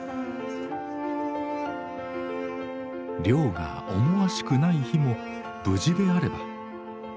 漁が思わしくない日も無事であれば。